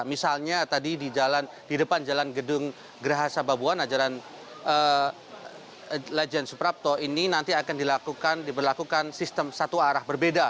misalnya tadi di depan jalan gedung gerahasaba buwana jalan lejen suprapto ini nanti akan dilakukan sistem satu arah berbeda